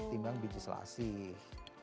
tidak biji selasih